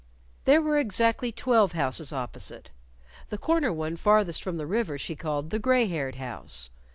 There were exactly twelve houses opposite. The corner one farthest from the river she called the gray haired house.